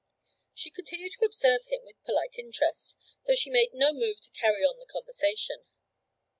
She continued to observe him with polite interest, though she made no move to carry on the conversation.